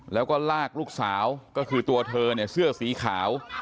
แล้วก็ลากลูกสาวก็คือตัวเธอเนี่ยเสื้อสีขาว